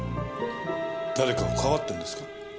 誰かをかばってるんですか？